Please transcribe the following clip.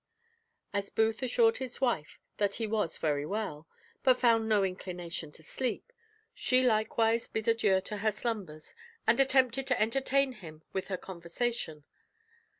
As Booth assured his wife that he was very well, but found no inclination to sleep, she likewise bid adieu to her slumbers, and attempted to entertain him with her conversation.